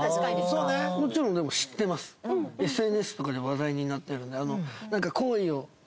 ＳＮＳとかで話題になってるんで。